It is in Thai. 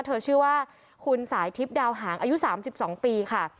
ชื่อว่าคุณสายทิพย์ดาวหางอายุ๓๒ปีค่ะ